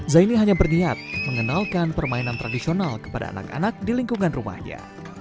zaini hanya berniat mengenalkan permainan tradisional kepada anak anak di lingkungan rumahnya